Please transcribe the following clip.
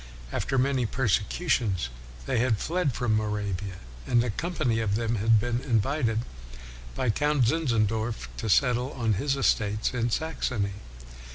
After many persecutions they had fled from Moravia, and a company of them had been invited by Count Zinzendorf to settle on his estates in Saxony.